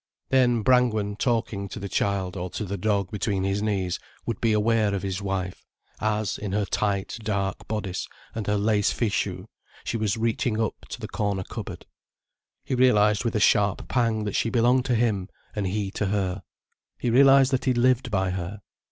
Then Brangwen, talking to the child, or to the dog between his knees, would be aware of his wife, as, in her tight, dark bodice and her lace fichu, she was reaching up to the corner cupboard. He realized with a sharp pang that she belonged to him, and he to her. He realized that he lived by her.